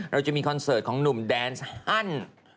เราจะมีคอนเสิร์ตของหนุ่มแดนส์ฮัน